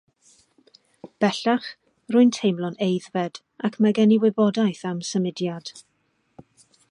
Bellach, rwy'n teimlo'n aeddfed ac mae gen i wybodaeth am symudiad.